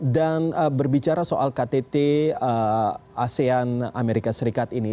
berbicara soal ktt asean amerika serikat ini